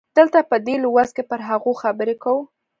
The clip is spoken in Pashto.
دلته په دې لوست کې پر هغو خبرې کوو.